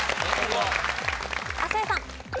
亜生さん。